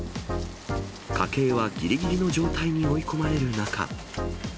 家計はぎりぎりの状態に追い込まれる中。